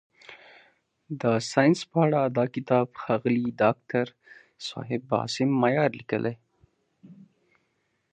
د ساینس په اړه دا کتاب ښاغلي داکتر صاحب عاصم مایار لیکلی.